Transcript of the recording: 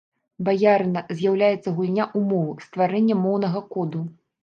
Баярына, з'яўляецца гульня ў мову, стварэнне моўнага коду.